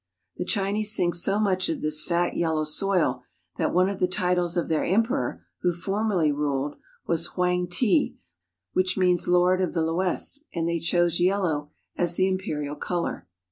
The Chinese think so much of this fat yellow soil that one of the titles of their Emperor, who formerly ruled, was " Hoang Ti," which means " Lord of the Loess," and they chose yellow as the Imperial color.